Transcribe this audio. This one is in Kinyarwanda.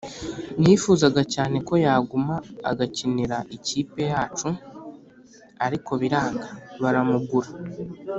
Nifuzaga cyane ko yaguma agakinira ikipe yacu ariko biranga baramugura